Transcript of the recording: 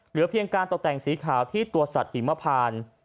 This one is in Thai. เหลือเพียงการตกแต่งสีขาวที่ตัวสัตว์หิมพาน